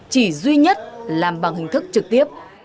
chỉ duy nhất làm bằng hình thức trực tiếp